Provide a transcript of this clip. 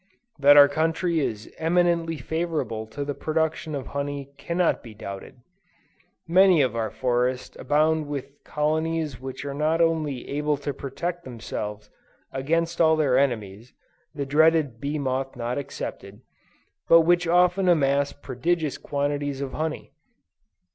That our country is eminently favorable to the production of honey, cannot be doubted. Many of our forests abound With colonies which are not only able to protect themselves against all their enemies, the dreaded bee moth not excepted, but which often amass prodigious quantities of honey.